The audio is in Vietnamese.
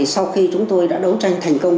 sau khi chúng tôi đã đấu tranh thành công